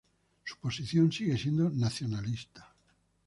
Su posición sigue siendo nacionalista.